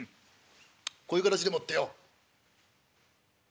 こういう形でもってよ